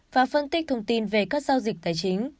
và phân tích thông tin về các giao dịch tài chính